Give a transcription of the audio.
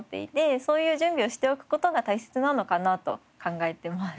そういう準備をしておく事が大切なのかなと考えています。